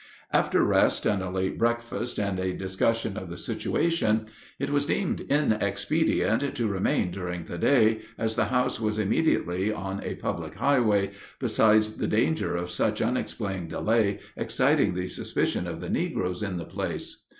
After rest and a late breakfast and a discussion of the situation, it was deemed inexpedient to remain during the day, as the house was immediately on a public highway, besides the danger of such unexplained delay exciting the suspicion of the negroes on the place.